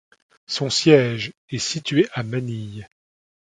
Son siège est situé à Manille.